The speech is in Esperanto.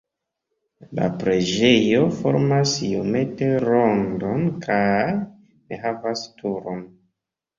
La preĝejo formas iomete rondon kaj ne havas turon.